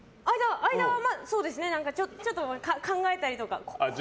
間はちょっと考えたりとか。